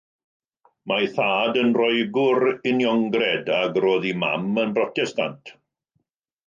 Mae ei thad yn Roegwr Uniongred ac roedd ei mam yn Brotestant.